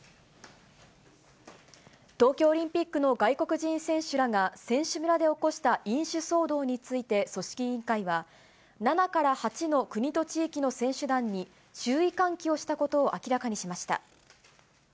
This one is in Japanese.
東京オリンピックの外国人選手らが選手村で起こした飲酒騒動について組織委員会は、７から８の国と地域の選手団に、注意喚起をしたことを明らかにしました。